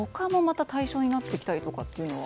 これ、他もまた対象になってきたりというのは？